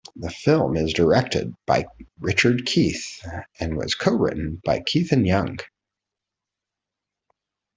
The film is directed by Richard Keith and was co-written by Keith and Young.